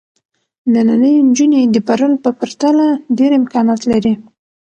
نننۍ نجونې د پرون په پرتله ډېر امکانات لري.